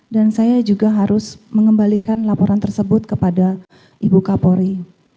dan saya juga harus mengembalikan laporan tersebut kepada ibu kapolri